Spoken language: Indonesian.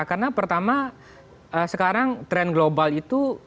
karena sekarang trend global itu